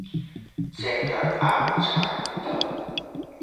隻腳拗柴好痛